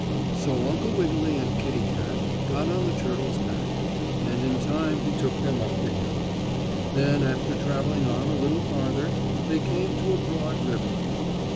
So Uncle Wiggily and Kittie Kat got on the turtle's back, and in time he took them up the hill. Then, after traveling on a little farther, they came to a broad river.